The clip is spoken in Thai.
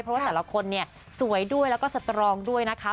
เพราะว่าแต่ละคนเนี่ยสวยด้วยแล้วก็สตรองด้วยนะคะ